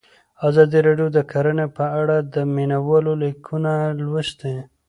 ازادي راډیو د کرهنه په اړه د مینه والو لیکونه لوستي.